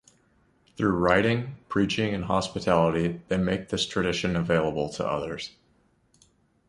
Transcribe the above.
Through writing, preaching and hospitality they make this tradition available to others.